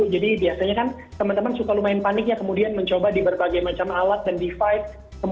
jadi biasanya kan teman teman suka lumayan paniknya kemudian mencoba di berbagai macam alat dan device